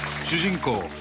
主人公